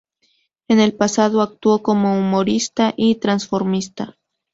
En el pasado actuó como humorista y transformista.